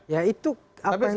ya itu apa yang